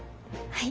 はい。